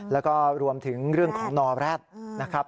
แล้วก็รวมถึงเรื่องของนอแร็ดนะครับ